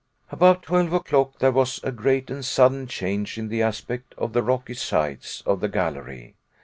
About twelve o'clock there was a great and sudden change in the aspect of the rocky sides of the gallery.